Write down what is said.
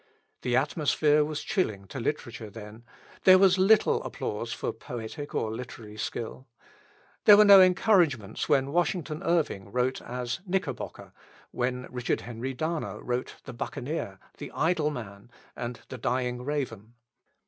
The atmosphere was chilling to literature then, there was little applause for poetic or literary skill. There were no encouragements when Washington Irving wrote as "Knickerbocker," when Richard Henry Dana wrote "The Buccaneer," "The Idle Man," and "The Dying Raven."